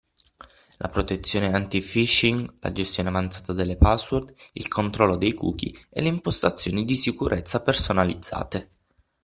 La protezione anti-phishing, la gestione avanzata delle password, il controllo dei cookie e le impostazioni di sicurezza personalizzate.